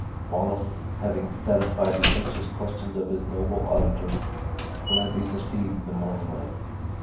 Wallace, having satisfied the anxious questions of his noble auditor, gladly perceived the morning light.